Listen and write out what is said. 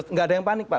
nggak ada yang panik pak